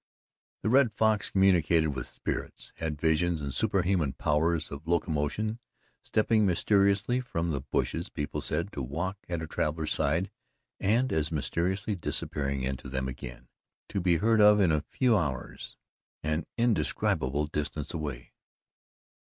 The Red Fox communicated with spirits, had visions and superhuman powers of locomotion stepping mysteriously from the bushes, people said, to walk at the traveller's side and as mysteriously disappearing into them again, to be heard of in a few hours an incredible distance away.